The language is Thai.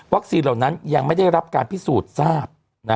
เหล่านั้นยังไม่ได้รับการพิสูจน์ทราบ